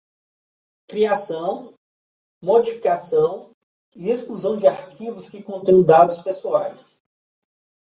Criação, modificação e exclusão de arquivos que contenham dados pessoais.